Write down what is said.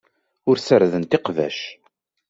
Ur ssardent iqbac.